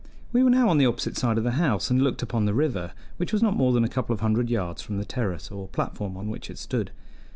We were now on the opposite side of the house and looked upon the river, which was not more than a couple of hundred yards from the terrace or platform on which it stood.